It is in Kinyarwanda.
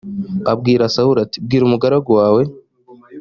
abwira sawuli ati “bwira umugaragu wawe”